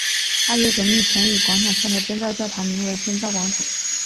二月革命前以广场上的征兆教堂名为征兆广场。